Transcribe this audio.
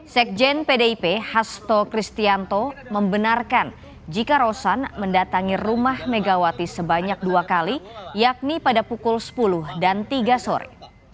sekjen pdip hasto kristianto membenarkan jika rosan mendatangi rumah megawati sebanyak dua kali yakni pada pukul sepuluh dan tiga sore